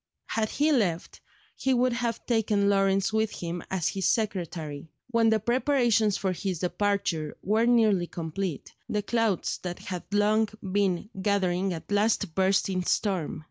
Had he left, he would have taken Lawrence with him as his secretary. When the preparations for his departure were nearly complete, the clouds that had long been gathering at last burst in storm.